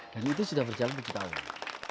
dan itu sudah berjalan tujuh tahun